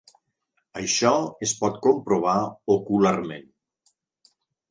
Això es pot comprovar ocularment.